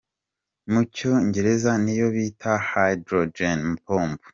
Mu cyongereza niyo bita Hydrogen bomb.